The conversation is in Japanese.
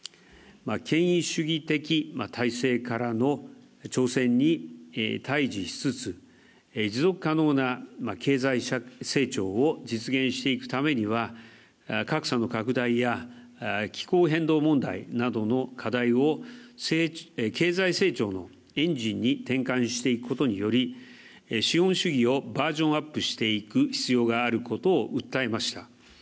権威主義的体制からの挑戦に対じしつつ、持続可能な経済成長を実現していくためには格差の拡大や気候変動問題などの課題を経済成長のエンジンに転換していくことにより資本主義をバージョンアップしていく必要があることを訴えました。